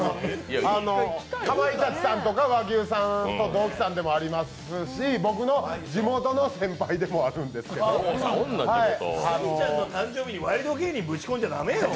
かまいたちさんとか和牛さんとかと同期さんでもありますし、僕の地元の先輩でもあるんですけどもスギちゃんの誕生日にワイルド芸人ぶち込んじゃ駄目よ。